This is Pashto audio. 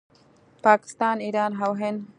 پاکستان، ایران او هند